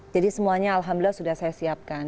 jadi semuanya alhamdulillah sudah saya siapkan